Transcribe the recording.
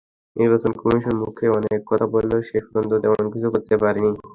নির্বাচন কমিশন মুখে অনেক কথা বললেও শেষ পর্যন্ত তেমন কিছু করতে পারেনি।